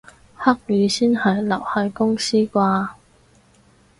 黑雨先係留喺公司啩